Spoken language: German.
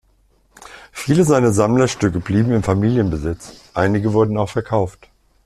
Viele seiner Sammlerstücke blieben im Familienbesitz, einige wurden auch verkauft.